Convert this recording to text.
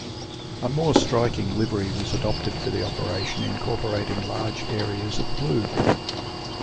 A more striking livery was adopted for the operation incorporating large areas of blue.